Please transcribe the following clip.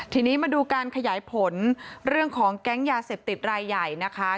ทีนี้มาดูการขยายผลเรื่องของแก๊งยาเสพติดรายใหญ่นะคะ